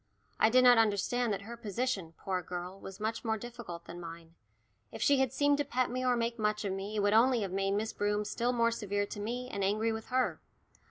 I did not understand that her position, poor girl, was much more difficult than mine. If she had seemed to pet me or make much of me it would only have made Miss Broom still more severe to me, and angry with her.